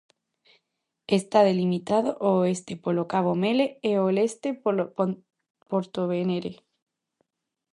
Está delimitado ao oeste polo cabo Mele e ao leste polo de Portovenere.